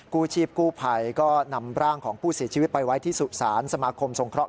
กู้ชีพกู้ภัยก็นำร่างของผู้เสียชีวิตไปไว้ที่สุสานสมาคมสงเคราะห